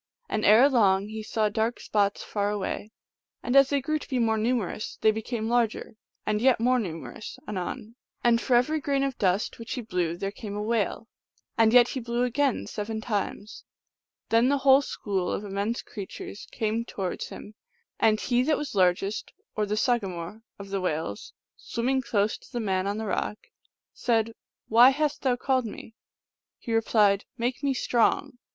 And erelong he saw dark spots far away, and as they grew to be more numerous they became larger, and yet more numerous anon, and for every grain of dust which he blew there came a whale ; and yet he blew again seven times. Then the whole school of immense creatures came to wards him ; and he that was largest, or the sagamore of the whales, swimming close to the man on the rock, said, " Why hast thou called me ?" And he replied, " Make me strong."